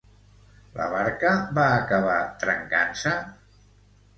La barca va acabar trencant-se?